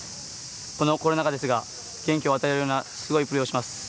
このコロナ禍ですが元気を与えられるようなすごいプレーをします。